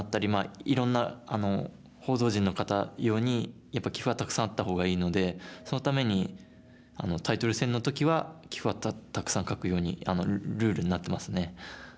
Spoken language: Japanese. いろんな報道陣の方用にやっぱり棋譜はたくさんあったほうがいいのでそのためにタイトル戦の時は棋譜はたくさん書くようにルールになってますね。